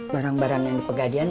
barang barang yang dipegadian